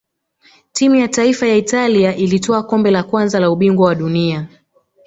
timu ya taifa ya italia ilitwaa kombe la kwanza la ubingwa wa dunia